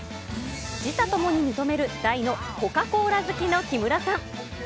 自他ともに認める大のコカ・コーラ好きの木村さん。